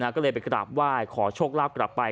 ก็เลยไปกราบไหว้ขอโชคลาภกลับไป